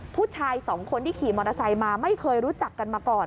ผู้ชายสองคนที่ขี่มอเตอร์ไซค์มาไม่เคยรู้จักกันมาก่อน